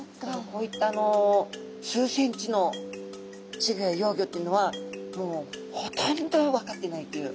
こういった数センチの稚魚や幼魚というのはもうほとんど分かっていないという。